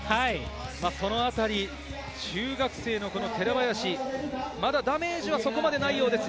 そのあたり中学生の寺林、まだダメージはそこまでないようです。